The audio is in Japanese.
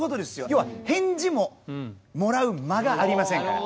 要は返事ももらう間がありませんから。